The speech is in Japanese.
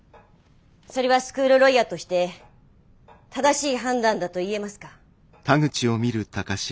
それはスクールロイヤーとして正しい判断だと言えますか？